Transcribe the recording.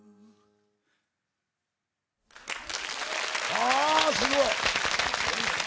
あすごい。